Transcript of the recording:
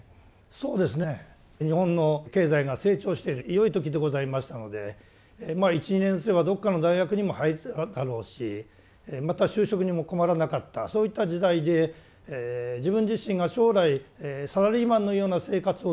そうですね日本の経済が成長している良い時でございましたのでまあ１２年すればどっかの大学にも入っただろうしまた就職にも困らなかったそういった時代で自分自身が将来サラリーマンのような生活を望んでいるんだろうか？